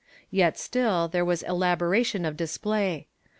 Yet still there was elaboration of display.